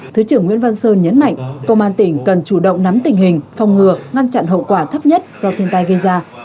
thứ trưởng nguyễn văn sơn nhấn mạnh công an tỉnh cần chủ động nắm tình hình phòng ngừa ngăn chặn hậu quả thấp nhất do thiên tai gây ra